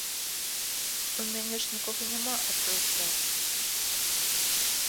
У мяне ж нікога няма, апроч вас.